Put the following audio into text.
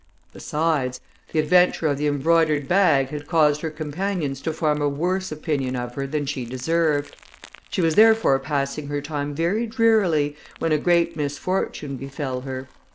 Besides, the adventure of the embroidered bag had caused her companions to form a worse opinion of her than she deserved. She was therefore passing her time very drearily, when a great misfortune befel her.